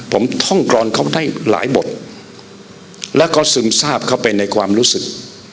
ผมท่องกรอนเขาได้หลายบทแล้วก็ซึมทราบเข้าไปในความรู้สึก